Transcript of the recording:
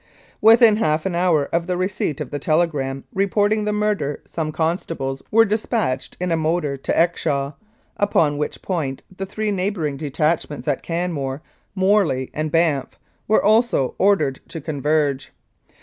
Within half an hour of the receipt of the telegram reporting the murder some constables were dispatched in a motor to Exshaw, upon which point the three neighbouring detachments at Canmore, Morley and Banff were also ordered to converge.